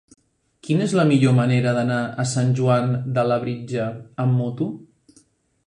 Quina és la millor manera d'anar a Sant Joan de Labritja amb moto?